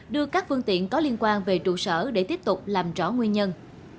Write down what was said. đưa các phương tiện có liên quan về trụ sở để tiếp tục làm rõ nguyên nhân